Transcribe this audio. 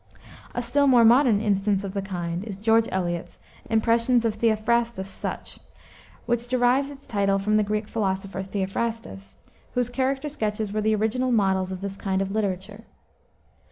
A still more modern instance of the kind is George Eliot's Impressions of Theophrastus Such, which derives its title from the Greek philosopher, Theophrastus, whose character sketches were the original models of this kind of literature.